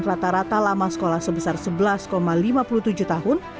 rata rata lama sekolah sebesar sebelas lima puluh tujuh tahun